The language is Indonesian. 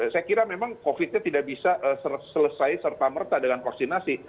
saya kira memang covid nya tidak bisa selesai serta merta dengan vaksinasi